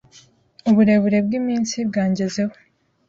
Uburebure bwiminsi, bwangezeho